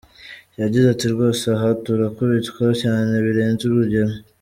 Yagize ati “Rwose aha turakubitwa cyane birenze urugero.